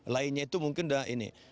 lainnya itu mungkin ini